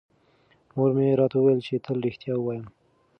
مور مې راته وویل چې تل رښتیا ووایم.